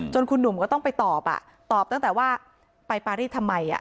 คุณหนุ่มก็ต้องไปตอบตอบตั้งแต่ว่าไปปารีสทำไม